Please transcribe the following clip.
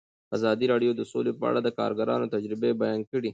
ازادي راډیو د سوله په اړه د کارګرانو تجربې بیان کړي.